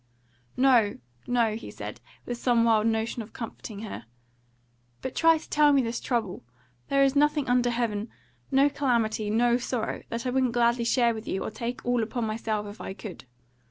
"No, no," he said, with some wild notion of comforting her; "but try to tell me this trouble! There is nothing under heaven no calamity, no sorrow that I wouldn't gladly share with you, or take all upon myself if I could!"